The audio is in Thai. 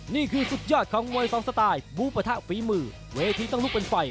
นี่คือสุดยอดของมวยสองสไตล์บูปะทะฝีมือเวทีต้องลุกเป็นไฟ